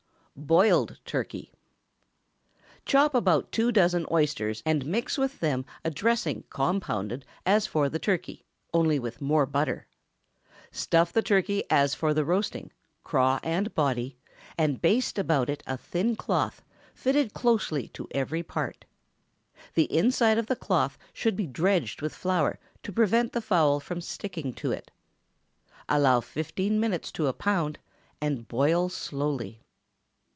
BOILED TURKEY. Chop about two dozen oysters, and mix with them a dressing compounded as for roast turkey, only with more butter. Stuff the turkey as for roasting, craw and body, and baste about it a thin cloth, fitted closely to every part. The inside of the cloth should be dredged with flour to prevent the fowl from sticking to it. Allow fifteen minutes to a pound, and boil slowly.